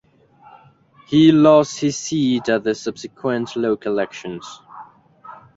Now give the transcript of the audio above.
He lost his seat at the subsequent local elections.